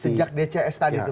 sejak dcs tadi itu bang ya